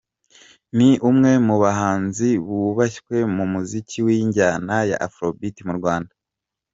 Ni umwe mu bahanzi bubashywe mu muziki w’injyana ya Afrobeat mu Rwanda.